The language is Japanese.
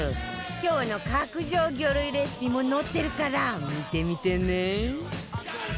今日の角上魚類レシピも載ってるから見てみてね